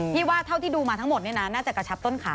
ว่าเท่าที่ดูมาทั้งหมดเนี่ยนะน่าจะกระชับต้นขา